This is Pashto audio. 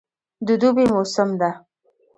د دوبی موسم ده